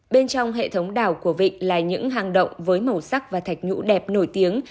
bên trong hệ thống đảo của vịnh là những hàng động với màu sắc và thạch nhũ đẹp nổi tiếng